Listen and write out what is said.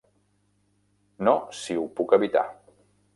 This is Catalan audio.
No si ho puc evitar.